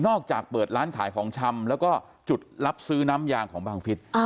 ออกจากเปิดร้านขายของชำแล้วก็จุดรับซื้อน้ำยางของบังฟิศ